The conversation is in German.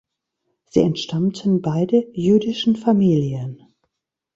Sie entstammten beide jüdischen Familien.